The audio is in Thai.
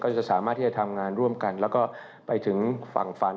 จะสามารถที่จะทำงานร่วมกันแล้วก็ไปถึงฝั่งฝัน